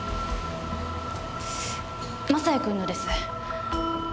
雅也君のです。